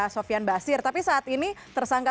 sofian basir tapi saat ini tersangka